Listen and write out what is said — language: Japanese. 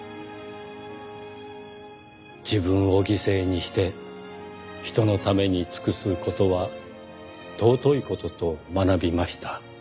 「自分を犠牲にして他人のために尽くす事は尊い事と学びました」